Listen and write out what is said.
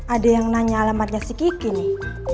ada yang nanya alamatnya si kiki nih